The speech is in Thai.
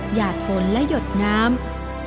อยากฝนและหยดน้ำ